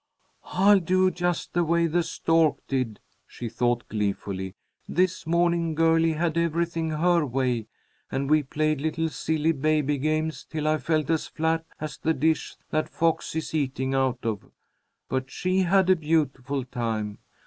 "I'll do just the way the stork did," she thought, gleefully. "This morning Girlie had everything her way, and we played little silly baby games till I felt as flat as the dish that fox is eating out of. But she had a beautiful time.